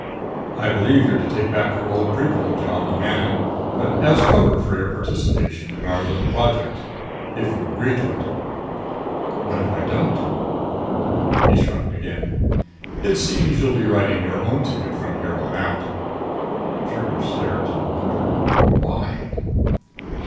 "I believe you're to take back your old Precol job in Manon, but as cover for your participation in our little project. If you agree to it." "What if I don't?" He shrugged again. "It seems you'll be writing your own ticket from here on out." Trigger stared at him, wondering. "Why?"